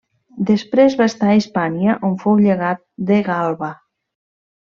Després va estar a Hispània on fou llegat de Galba.